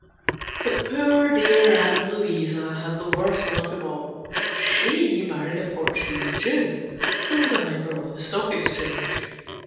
But poor dear Aunt Louisa had the worst luck of all. She married a Portuguese Jew, who was a member of the Stock Exchange.